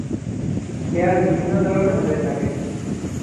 Chair বিভিন্ন ধরনের হয়ে থাকে।